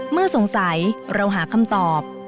เมื่อสงสัยเราหาคำตอบ